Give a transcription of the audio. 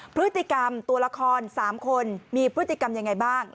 พฤติกรรมตัวละคร๓คนมีพฤติกรรมยังไงบ้าง